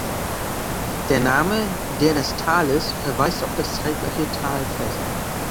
Der Name „Der des Tales“ verweist auf das zeitgleiche Tal-Fest.